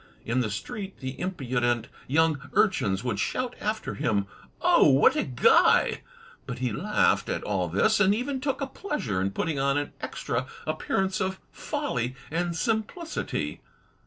In the street the impudent young urchins would shout after him, "Oh! what a guy," but he laughed at all this, and even took a pleasure in putting on an extra appear ance of folly and simplicity.